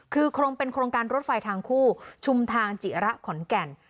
คือเป็นโครงการรถไฟทางคู่ชุมทางจิระขอนแก่น